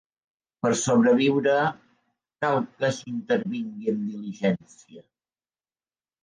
Per sobreviure, cal que s'hi intervingui amb diligència.